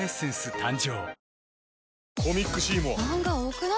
誕生